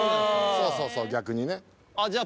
そうそうそう逆にねあっじゃあ